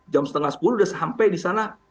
jam setengah sepuluh udah sampai disana